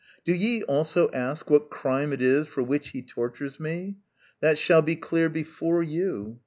Do ye also ask What crime it is for which he tortures me? That shall be clear before you.